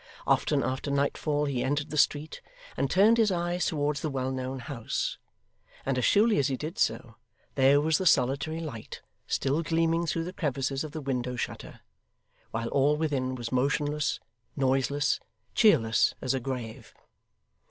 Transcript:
Often after nightfall he entered the street, and turned his eyes towards the well known house; and as surely as he did so, there was the solitary light, still gleaming through the crevices of the window shutter, while all within was motionless, noiseless, cheerless, as a grave.